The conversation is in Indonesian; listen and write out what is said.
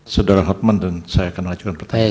saudara hartman dan saya akan lanjutkan pertanyaan